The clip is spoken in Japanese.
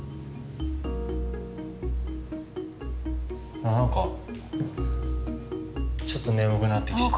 ああなんかちょっと眠くなってきちゃった。